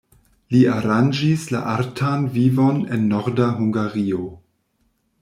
Li aranĝis la artan vivon en Norda Hungario.